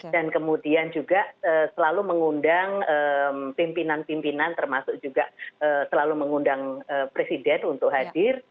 dan kemudian juga selalu mengundang pimpinan pimpinan termasuk juga selalu mengundang presiden untuk hadir